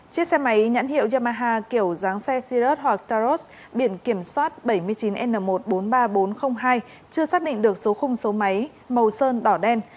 chiếc xe máy nhãn hiệu yamaha kiểu dáng xe cirrus hoặc taurus biển kiểm soát bảy mươi chín n một trăm bốn mươi ba nghìn bốn trăm linh hai chưa xác định được số khung số máy màu sơn đỏ đen